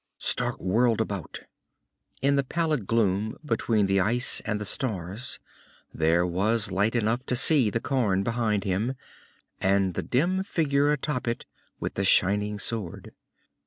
Stark whirled about. In the pallid gloom between the ice and the stars there was light enough to see the cairn behind him, and the dim figure atop it with the shining sword.